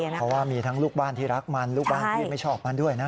เพราะว่ามีทั้งลูกบ้านที่รักมันลูกบ้านที่ไม่ชอบมันด้วยนะ